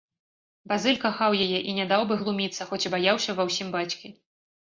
Базыль кахаў яе і не даў бы глуміцца, хоць і баяўся ва ўсім бацькі.